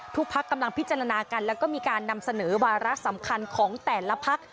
พักกำลังพิจารณากันแล้วก็มีการนำเสนอวาระสำคัญของแต่ละพัก